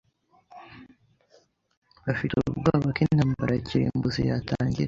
Bafite ubwoba ko intambara ya kirimbuzi yatangira